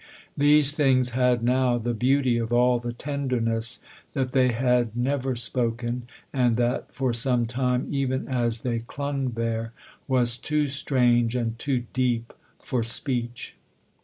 These things had now the beauty of all the tenderness that they had never spoken and that, for some time, even as they clung there, was too strange and too deep for speech.